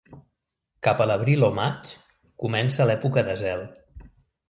Cap a l'abril o maig comença l'època de zel.